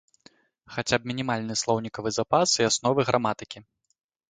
Хаця б мінімальны слоўнікавы запас і асновы граматыкі.